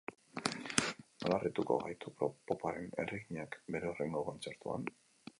Nola harrituko gaitu poparen erreginak bere hurrengo kontzertuan?